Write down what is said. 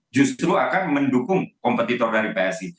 justru akan mendukung kompetitor dari psi